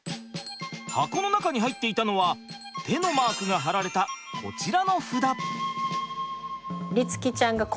箱の中に入っていたのは手のマークが貼られたこちらの札。